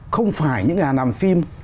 không phải những nhà làm phim